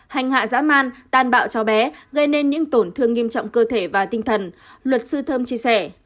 hành hạ dã man tan bạo cháu bé gây nên những tổn thương nghiêm trọng cơ thể và tinh thần luật sư thơm chia sẻ